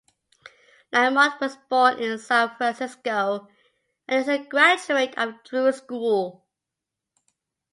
Lamott was born in San Francisco, and is a graduate of Drew School.